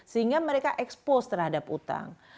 sehingga mereka expose terhadap utang